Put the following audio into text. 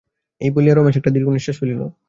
এই বলিয়া রমেশ একটা দীর্ঘনিশ্বাস ফেলিল।